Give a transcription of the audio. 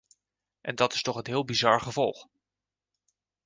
En dat is toch een heel bizar gevolg.